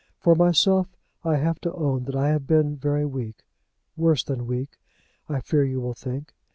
For myself, I have to own that I have been very weak, worse than weak, I fear you will think.